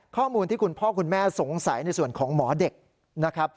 ข้อมูลที่คุณพ่อคุณแม่สงสัยในส่วนของหมอเด็กนะครับ